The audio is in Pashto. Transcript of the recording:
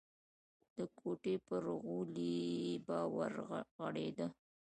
د کوټې پر غولي به ورغړېد.